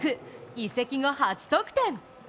移籍後初得点。